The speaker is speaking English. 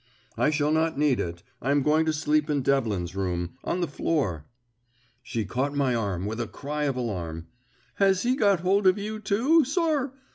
"I shall not need it. I am going to sleep in Devlin's room, on the floor." She caught my arm with a cry of alarm. "Has he got hold of you, too, sir?